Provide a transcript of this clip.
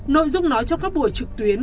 nội dung nói trong các buổi trực tuyến